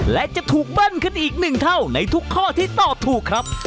และจะถูกเบิ้ลขึ้นอีกหนึ่งเท่าในทุกข้อที่ตอบถูกครับ